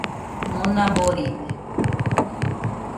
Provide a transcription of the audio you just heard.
Mona boride